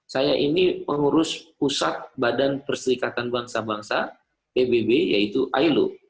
saya ini pengurus pusat badan perserikatan bangsa bangsa pbb yaitu ilo